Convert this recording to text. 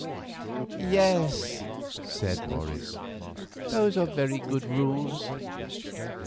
"Yes," said Morris, "those are very good rules.